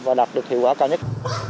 và đạt được hiệu quả cao nhất